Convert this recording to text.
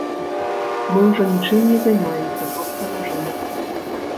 Мы ўжо нічым не займаемся, проста ляжым.